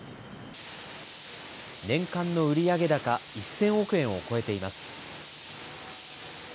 年間の売上高１０００億円を超えています。